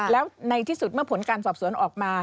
แล้วในที่สุดเมื่อผลการสอบสวนออกมา